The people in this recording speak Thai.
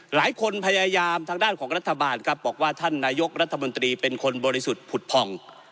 หลายคนพยายามทางด้านของรัฐบาลครับบอกว่าท่านนายกรัฐมนตรีเป็นคนบริสุทธิ์ผุดผ่อง